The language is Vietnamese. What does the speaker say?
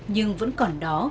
nhưng vẫn còn đó